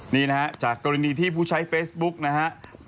นี่นะครับจากกรณีที่ผู้ใช้เฟซบุ๊กนะครับ